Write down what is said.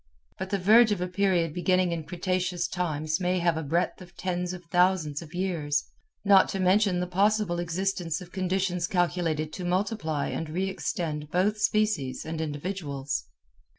But the verge of a period beginning in cretaceous times may have a breadth of tens of thousands of years, not to mention the possible existence of conditions calculated to multiply and re extend both species and individuals.